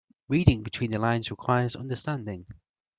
Reading between the lines requires understanding.